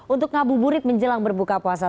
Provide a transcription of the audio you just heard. untuk ngabuburit menjelang berbuka puasa